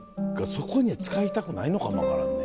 そこには使いたくないのかも分からんね。